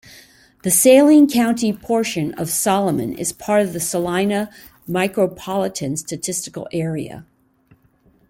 The Saline County portion of Solomon is part of the Salina Micropolitan Statistical Area.